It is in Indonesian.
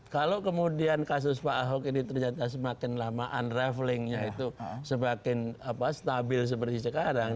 kalau kemudian kasus pak ahok ini ternyata semakin lama unravelingnya itu semakin stabil seperti sekarang